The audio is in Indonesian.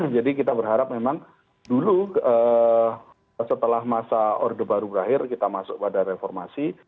kita berharap memang dulu setelah masa orde baru berakhir kita masuk pada reformasi